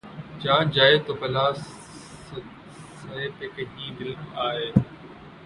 جان جائے تو بلا سے‘ پہ کہیں دل آئے